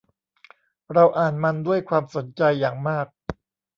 เราอ่านมันด้วยความสนใจอย่างมาก